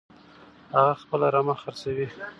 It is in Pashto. هغه خپله رمه خرڅوي.